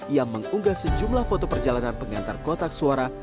yang mengunggah sejumlah foto perjalanan pengantar kotak suara